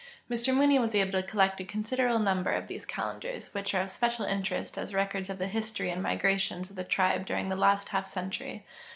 IMr Mooney Avas able to collect a considerable number of these calendars, which are of special interest as records of the history and migrations of the tribe during the last half century.